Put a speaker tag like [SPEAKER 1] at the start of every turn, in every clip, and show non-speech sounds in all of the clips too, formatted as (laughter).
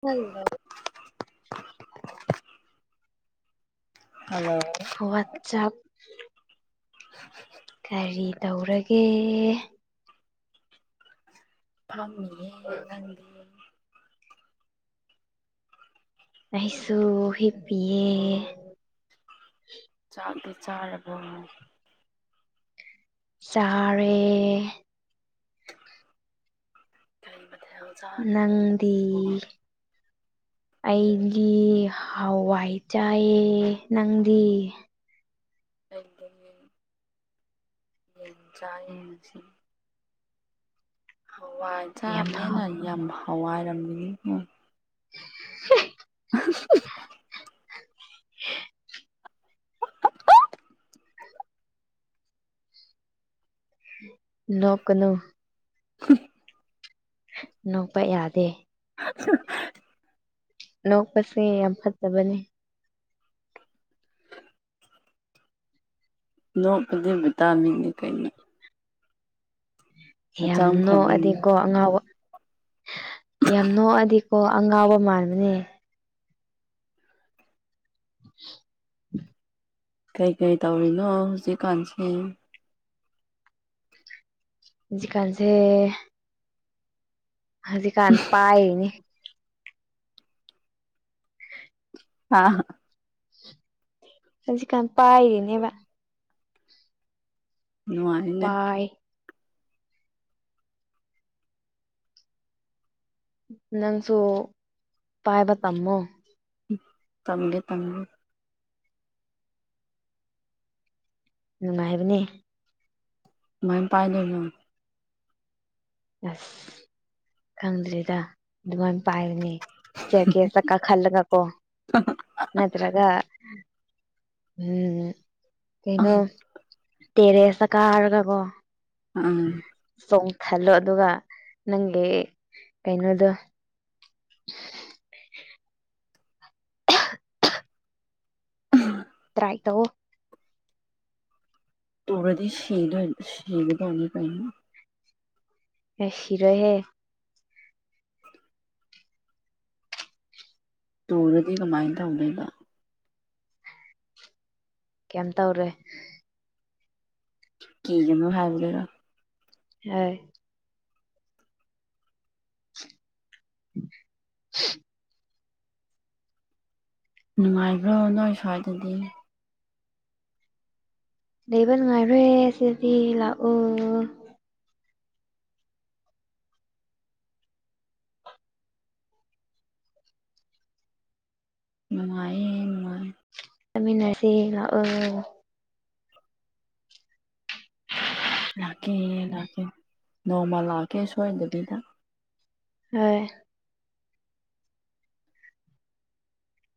[SPEAKER 1] Hello
[SPEAKER 2] hello
[SPEAKER 1] (unintelligible) ꯆꯥꯛ
[SPEAKER 2] (unintelligible)
[SPEAKER 1] ꯀꯔꯤ ꯇꯧꯔꯒꯦ
[SPEAKER 2] ꯐꯝꯃꯤꯌ‌ꯦ ꯅꯪ
[SPEAKER 1] ꯑꯩꯁꯨ ꯍꯤꯞꯄꯤꯌꯦ
[SPEAKER 2] ꯆꯥꯛꯇꯤ ꯆꯥꯔꯕ‌ꯣ
[SPEAKER 1] ꯆꯥꯔꯦ
[SPEAKER 2] (unintelligible)
[SPEAKER 1] ꯅꯪꯗꯤ
[SPEAKER 2] (inaudible)
[SPEAKER 1] ꯑꯩꯗꯤ ꯍꯋꯥꯏ ꯆꯥꯏꯑꯦ ꯅꯪꯗꯤ
[SPEAKER 2] ꯑꯩ (inaudible) ꯆꯥꯌꯦ ꯉꯁꯤ ꯍꯋꯥꯏ
[SPEAKER 1] ꯌꯥꯝ ꯍꯥꯎ
[SPEAKER 2] ꯆꯥꯕꯅꯤꯅ ꯌꯥꯝ ꯍꯋꯥꯏꯔꯝꯃꯅꯤ
[SPEAKER 1] (unintelligible)
[SPEAKER 2] (unintelligible)
[SPEAKER 1] (unintelligible) ꯅꯣꯛ ꯀꯅꯨ ꯅꯣꯛꯄ ꯌꯥꯗꯦ
[SPEAKER 2] (inaudible)
[SPEAKER 1] ꯅꯣꯛꯄꯁꯦ ꯌꯥꯝ ꯐꯠꯇꯕꯅꯤ
[SPEAKER 2] ꯅꯣꯛꯄꯗꯤ ꯕꯤꯇꯥꯃꯤꯅꯅꯦ ꯀꯩꯅꯣ
[SPEAKER 1] ꯌꯥꯝ
[SPEAKER 2] ꯍꯛꯆꯥꯡ ꯐꯕꯒꯤ
[SPEAKER 1] ꯅꯣꯛꯑꯗꯤꯀꯣ ꯑꯉꯥꯎꯕ ꯌꯥꯝ ꯅꯣꯛꯑꯗꯤꯀꯣ ꯑꯉꯥꯎꯕ ꯃꯥꯟꯕꯅꯦ
[SPEAKER 2] ꯀꯩ ꯀꯩ ꯇꯧꯔꯤꯅꯣ ꯍꯧꯖꯤꯛꯀꯥꯟꯁꯦ
[SPEAKER 1] ꯍꯧꯖꯤꯛꯀꯥꯟꯁꯦ ꯍꯧꯖꯤ ꯀꯥꯟ ꯄꯥꯏꯔꯤꯅꯤ
[SPEAKER 2] ꯍꯥ
[SPEAKER 1] ꯍꯧꯖꯤꯛ ꯀꯥꯟ ꯄꯥꯏꯔꯤꯅꯦꯕ
[SPEAKER 2] ꯅꯨꯡꯉꯥꯏꯅꯦ
[SPEAKER 1] ꯄꯥꯏ ꯅꯪꯁꯨ ꯄꯥꯏꯕ ꯇꯝꯃꯣ
[SPEAKER 2] ꯇꯝꯒꯦ ꯇꯝꯒꯦ
[SPEAKER 1] ꯅꯨꯡꯉꯥꯏꯕꯅꯦ
[SPEAKER 2] ꯀꯃꯥꯥꯏ ꯄꯥꯏ ꯗꯣꯏꯅꯣ
[SPEAKER 1] ꯑꯁ ꯈꯪꯗ꯭ꯔꯤꯗ ꯑꯗꯨꯃꯥꯏ ꯄꯥꯏꯕꯅꯦ ꯀꯥꯈꯜꯂꯒ ꯀꯣ ꯅꯠꯇ꯭ꯔꯒ ꯎꯝ ꯀꯩꯅꯣ ꯇꯦꯔꯦꯁ ꯆ ꯀꯥꯔꯒ ꯀꯣ
[SPEAKER 2] ꯎꯝ
[SPEAKER 1] ꯆꯣꯡꯊꯜꯂꯣ ꯑꯗꯨꯒ ꯅꯪꯒꯤ ꯀꯩꯅꯣꯗꯣ ꯍ꯭ꯔꯥꯏ ꯇꯣ
[SPEAKER 2] ꯇꯨꯔꯗꯤ ꯁꯤꯗꯣꯏ ꯁꯤꯕꯗꯅꯤ ꯀꯥꯏꯅ
[SPEAKER 1] ꯑꯦ ꯁꯤꯔꯣꯏꯍꯦ
[SPEAKER 2] ꯇꯨꯔꯗꯤ ꯀꯃꯥꯏꯅ ꯇꯧꯗꯣꯏꯕ
[SPEAKER 1] ꯀꯩꯝ ꯇꯧꯔꯦ
[SPEAKER 2] ꯀꯤꯒꯅꯨ ꯍꯥꯏꯕꯗꯨꯔꯣ
[SPEAKER 1] ꯍ
[SPEAKER 2] ꯅꯨꯡꯉꯥꯏꯕ꯭ꯔꯣ ꯅꯣꯏ ꯁ꯭ꯋꯥꯏꯗꯗꯤ
[SPEAKER 1] ꯂꯩꯕ ꯅꯨꯡꯉꯥꯏꯔꯦ ꯁꯤꯗꯗꯤ ꯂꯥꯛꯑꯣ
[SPEAKER 2] ꯅꯨꯡꯉꯥꯏꯌꯦ ꯎ
[SPEAKER 1] ꯆꯠꯃꯤꯟꯅꯔꯁꯤ ꯂꯥꯛꯑꯣ
[SPEAKER 2] ꯂꯥꯛꯀꯦ ꯂꯥꯛꯀꯦ ꯅꯣꯡꯃ ꯂꯥꯛꯀꯦ ꯁꯣꯏꯗꯕꯤꯗ
[SPEAKER 1] ꯍꯣꯏ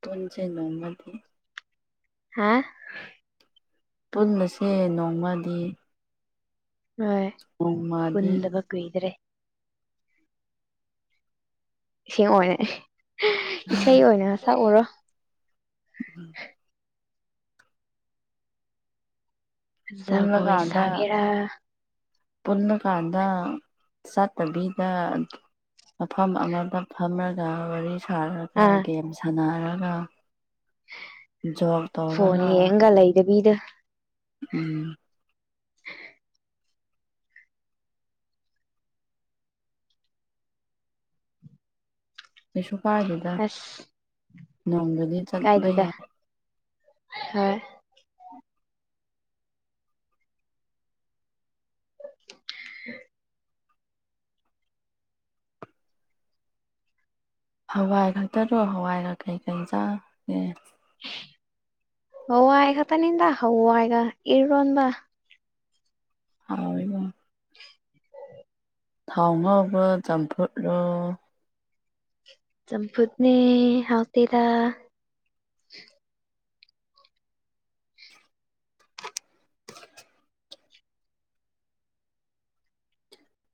[SPEAKER 2] ꯄꯨꯟꯁꯦ ꯅꯣꯡꯃꯗꯤ
[SPEAKER 1] ꯍꯥ
[SPEAKER 2] ꯄꯨꯟꯕꯁꯦ ꯅꯣꯡꯃꯗꯤ
[SPEAKER 1] ꯍꯣꯏ
[SPEAKER 2] ꯅꯣꯡꯃꯗꯤ
[SPEAKER 1] ꯄꯨꯟꯗꯕ ꯀꯨꯏꯗ꯭ꯔꯦ ꯏꯁꯤꯡ ꯑꯣꯏꯅ ꯏꯁꯩ ꯑꯣꯏꯅ ꯁꯛꯎꯔꯣ
[SPEAKER 2] ꯎꯝ
[SPEAKER 1] ꯖꯒꯣꯏ
[SPEAKER 2] ꯄꯨꯜꯂꯀꯥꯟꯗ
[SPEAKER 1] ꯁꯒꯦꯔ
[SPEAKER 2] ꯄꯨꯜꯂꯀꯥꯟꯗ ꯆꯠꯇꯕꯤꯗ ꯃꯐꯝ ꯑꯃꯗ ꯐꯝꯔꯒ ꯋꯥꯔꯤ ꯁꯥꯔꯒ
[SPEAKER 1] ꯑꯥ
[SPEAKER 2] ꯒꯦꯝ ꯁꯥꯟꯅꯔꯒ ꯖꯣꯛ
[SPEAKER 1] ꯐꯣꯟ ꯌꯦꯡꯒ ꯂꯩꯗꯕꯤꯗ
[SPEAKER 2] ꯎꯝ ꯀꯩꯁꯨ ꯀꯥꯏꯗꯦꯗ ꯅꯣꯡꯗꯗꯤ
[SPEAKER 1] ꯀꯥꯏꯗꯦꯗꯥ ꯍꯣꯏ (unintelligible)
[SPEAKER 2] ꯍꯋꯥꯏ ꯈꯛꯇꯔꯣ ꯍꯋꯥꯏꯔ ꯀꯩꯀꯩ ꯆꯥꯒꯦ
[SPEAKER 1] ꯍꯋꯥꯏ ꯈꯥꯛꯇꯥꯅꯤꯗ ꯍꯋꯥꯏꯒ ꯏꯔꯣꯟꯕ
[SPEAKER 2] ꯍꯥꯎꯔꯤꯕꯣ
[SPEAKER 1] (inaudible)
[SPEAKER 2] ꯊꯥꯎ ꯉꯥꯎꯕ ꯆꯝꯐꯨꯠꯔꯣ
[SPEAKER 1] ꯆꯝꯐꯨꯠꯅꯦ ꯍꯥꯎꯇꯦꯗꯥ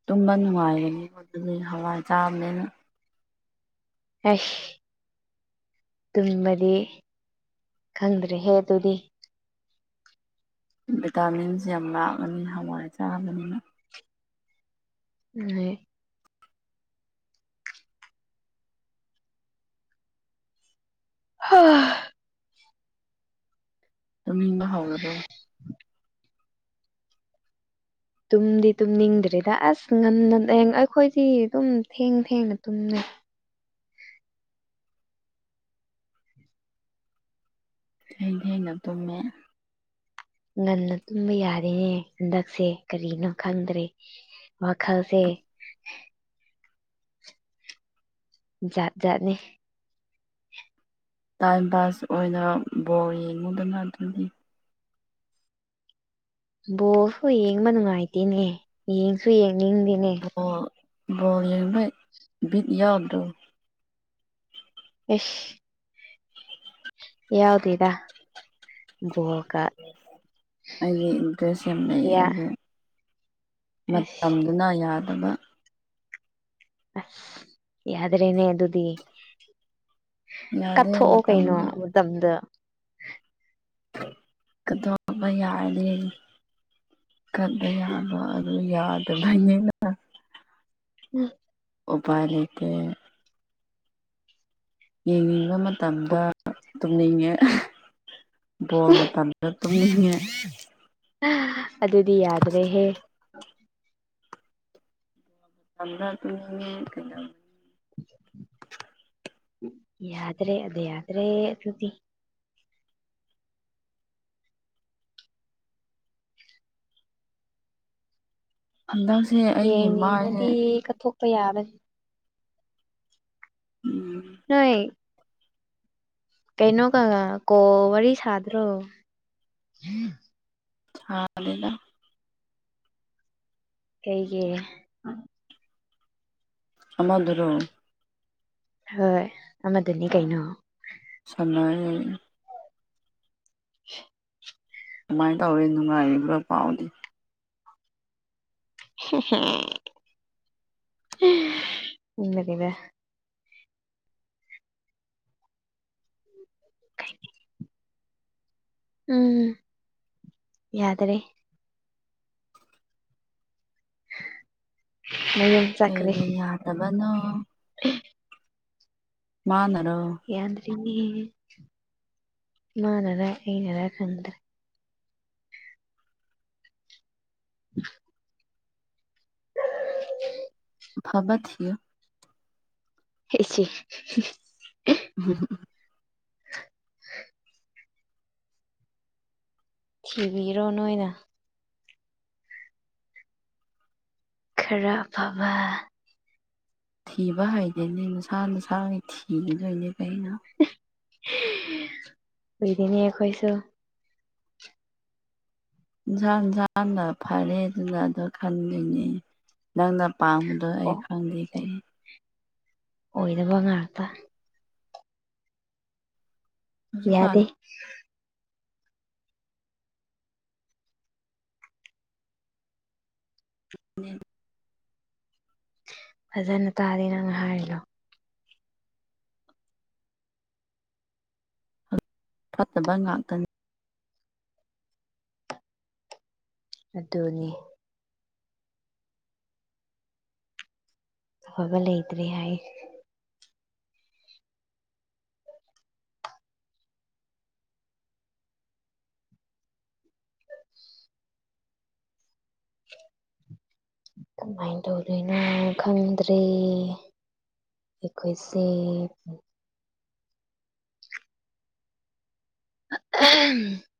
[SPEAKER 2] ꯇꯨꯝꯕ ꯅꯨꯡꯉꯥꯏꯒꯅꯤꯀꯣ ꯑꯗꯨꯗꯤ ꯍꯋꯥꯏ ꯆꯥꯕꯅꯤꯅ
[SPEAKER 1] ꯑꯩꯁ ꯇꯨꯝꯕꯗꯤ ꯈꯪꯗ꯭ꯔꯦꯍꯦ ꯑꯗꯨꯗꯤ
[SPEAKER 2] ꯚꯤꯇꯥꯃꯤꯟꯁꯦ ꯌꯥꯝ ꯂꯥꯛꯂꯅꯤ ꯍꯋꯥꯏ ꯆꯥꯔꯕꯅꯤꯅ
[SPEAKER 1] ꯍꯣꯏ꯫ (unintelligible)
[SPEAKER 2] ꯇꯨꯝꯅꯤꯡꯕꯥ ꯍꯧꯔꯕꯣ
[SPEAKER 1] ꯇꯨꯝꯗꯤ ꯇꯨꯝꯅꯤꯡꯗ꯭ꯔꯤꯗ ꯑꯁ ꯉꯟꯅ ꯑꯩꯈꯣꯏꯗꯤ ꯑꯗꯨꯝ ꯊꯦꯡ ꯊꯦꯡꯅ ꯇꯨꯝꯅꯩ
[SPEAKER 2] ꯊꯦꯟ ꯊꯦꯡꯅ ꯇꯨꯝꯃꯦ
[SPEAKER 1] ꯉꯟꯅ ꯇꯨꯝꯕ ꯌꯥꯔꯦꯅꯦ ꯍꯟꯗꯛꯁꯦ ꯀꯔꯤꯅꯣ ꯈꯪꯗ꯭ꯔꯦ ꯋꯥꯈꯜꯁꯦ ꯖꯥꯠ ꯖꯥꯥꯠꯅꯤ
[SPEAKER 2] ꯇꯥꯏꯝ ꯄꯥꯁ ꯑꯣꯏꯅ ꯕꯣꯜ ꯌꯦꯡꯉꯨꯗꯅ ꯑꯗꯨꯒꯤ
[SPEAKER 1] ꯕꯣꯜꯁꯨ ꯌꯦꯡꯕ ꯅꯨꯡꯉꯥꯏꯇꯦꯅꯦ ꯌꯦꯡꯁꯨ ꯌꯦꯡꯅꯤꯡꯗꯦꯅꯦ
[SPEAKER 2] ꯕꯣꯜ ꯕꯣꯜ ꯌꯦꯡꯕꯩ ꯕꯤꯠ ꯌꯥꯎꯗ꯭ꯔꯣ
[SPEAKER 1] ꯏꯁ ꯌꯥꯎꯗꯦꯗꯥ
[SPEAKER 2] ꯑꯩꯗꯤ ꯏꯟꯇꯔꯦꯁ ꯌꯥꯝ ꯂꯩ
[SPEAKER 1] ꯌꯥ
[SPEAKER 2] ꯑꯗꯨ
[SPEAKER 1] ꯑꯁ
[SPEAKER 2] ꯃꯇꯝꯗꯨꯅ ꯌꯥꯗꯕ
[SPEAKER 1] ꯑꯁ ꯌꯥꯗ꯭ꯔꯦꯅꯦ ꯑꯗꯨꯗꯤ
[SPEAKER 2] ꯌꯥꯗꯦ
[SPEAKER 1] ꯀꯠꯊꯣꯛꯑꯣ ꯀꯩꯅꯣ
[SPEAKER 2] ꯃꯇꯝꯗꯣ
[SPEAKER 1] ꯃꯇꯝꯗ
[SPEAKER 2] ꯀꯊꯣꯛꯄ ꯌꯥꯗꯦ ꯀꯠꯕ ꯌꯥ ꯕ ꯑꯗꯨ ꯌꯥꯗꯕꯩꯅꯦꯅ
[SPEAKER 1] (unintelligible)
[SPEAKER 2] ꯎꯄꯥꯏ ꯂꯩꯇꯦ ꯌꯦꯡꯅꯤꯡꯕ ꯃꯇꯝꯗ ꯇꯨꯝꯅꯤꯡꯉꯦ ꯕꯣꯜ ꯃꯇꯝꯗꯥꯥ ꯇꯨꯝꯅꯤꯡꯉꯦ
[SPEAKER 1] ꯑꯗꯨꯗꯤ ꯌꯥꯗ꯭ꯔꯦꯍꯦ
[SPEAKER 2] ꯇꯝꯗ ꯇꯨꯝꯅꯤꯡꯉꯦ ꯀꯩꯗꯧ
[SPEAKER 1] ꯌꯥꯗ꯭ꯔꯦ ꯑꯗꯨ ꯌꯥꯗ꯭ꯔꯦ ꯑꯗꯨꯗꯤ
[SPEAKER 2] ꯍꯟꯗꯛꯁꯦ ꯑꯩꯒꯤ ꯃꯥꯏꯁꯦ
[SPEAKER 1] ꯌꯦꯡꯅꯦꯉꯗꯤ ꯀꯠꯊꯣꯛꯄ ꯌꯥꯕ
[SPEAKER 2] ꯎꯝ
[SPEAKER 1] ꯅꯣꯏ ꯀꯩꯅꯣꯒ ꯀꯣꯜ ꯋꯥꯔꯤ ꯁꯥꯗ꯭ꯔꯣ
[SPEAKER 2] (unintelligible)
[SPEAKER 1] ꯀꯩꯒꯤ
[SPEAKER 2] ꯑꯃꯗꯨꯨꯔꯣ
[SPEAKER 1] ꯍꯣꯏ ꯑꯃꯗꯨꯅꯤ ꯀꯩꯅꯣ
[SPEAKER 2] ꯁꯥꯅꯩꯌꯦ
[SPEAKER 1] (unintelligible)
[SPEAKER 2] ꯀꯃꯥꯏ ꯇꯧꯔꯦ ꯅꯨꯡꯉꯥꯏꯔꯤꯕꯔ ꯄꯥꯎꯗꯤ
[SPEAKER 1] (unintelligible) (unintelligible) ꯎꯝ ꯌꯥꯗ꯭ꯔꯦ (unintelligible)
[SPEAKER 2] ꯀꯩꯒꯤ ꯌꯥꯗꯕꯅꯣ
[SPEAKER 1] (unintelligible)
[SPEAKER 2] ꯃꯥꯅꯔꯣ
[SPEAKER 1] ꯌꯥꯗ꯭ꯔꯤꯅꯦ ꯃꯥꯅꯔꯥ ꯑꯩꯅꯔꯥ ꯈꯪꯗ꯭ꯔꯦ (unintelligible) (unintelligible)
[SPEAKER 2] ꯑꯐꯕ ꯊꯤꯌꯣ
[SPEAKER 1] (unintelligible)
[SPEAKER 2] (unintelligible)
[SPEAKER 1] ꯊꯤꯕꯤꯔꯣ ꯅꯣꯏꯅ ꯈꯔ ꯑꯐꯕ
[SPEAKER 2] ꯊꯤꯕ ꯍꯥꯏꯗꯦꯅꯦ ꯅꯁꯥ ꯅꯁꯥꯒꯤ ꯊꯤꯒꯗꯣꯏꯅꯦ ꯀꯩꯅꯣ
[SPEAKER 1] ꯀꯨꯏꯔꯦꯅꯦ ꯑꯩꯈꯣꯏꯁꯨ
[SPEAKER 2] ꯏꯟꯁꯥꯡꯁꯥꯡꯅ ꯐꯔꯦ ꯑꯗꯨꯅꯗꯣ ꯈꯟꯗꯣꯏꯅꯦ ꯅꯪꯅ ꯄꯥꯝꯕꯗꯣ ꯑꯩ
[SPEAKER 1] ꯑꯣ
[SPEAKER 2] ꯈꯪꯗꯦ ꯑꯩ
[SPEAKER 1] ꯑꯣꯏꯗꯕ ꯉꯥꯡꯄꯥ
[SPEAKER 2] ꯍꯧꯖꯤꯛꯀꯥꯟ
[SPEAKER 1] ꯌꯥꯗꯦ
[SPEAKER 2] (unintelligible)
[SPEAKER 1] ꯐꯖꯅ ꯇꯥꯗꯦ ꯅꯪ ꯍꯥꯏꯔꯤꯂꯣ
[SPEAKER 2] ꯐꯠꯇꯕ ꯉꯥꯛꯇ
[SPEAKER 1] ꯑꯗꯨꯅꯤ ꯑꯐꯕ ꯂꯩꯇ꯭ꯔꯦ ꯍꯥꯏꯌꯦ ꯀꯃꯥꯏ ꯇꯧꯗꯣꯏꯅꯣ ꯈꯪꯗ꯭ꯔꯦ ꯑꯩꯈꯣꯏꯁꯦ (unintelligible)